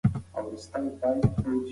زه د خپلي ژبې د ساتنې لپاره کوښښ کوم.